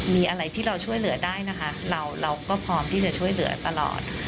มีอะไรที่เราช่วยเหลือได้นะคะเราก็พร้อมที่จะช่วยเหลือตลอด